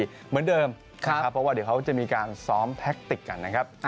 เหมือนเดิมนะครับเพราะว่าเดี๋ยวเขาจะมีการซ้อมแท็กติกกันนะครับ